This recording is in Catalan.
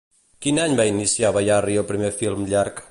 Quin any va iniciar Bayarri el primer film llarg?